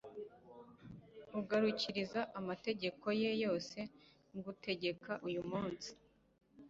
ugakurikiza amategeko ye yose ngutegeka uyu munsi